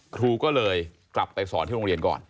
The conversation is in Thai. ครูก็เลยกลับไปสอนที่โรงเรียนก่อน